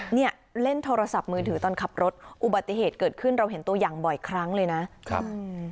เนี่ยเล่นโทรศัพท์มือถือตอนขับรถอุบัติเหตุเกิดขึ้นเราเห็นตัวอย่างบ่อยครั้งเลยนะครับ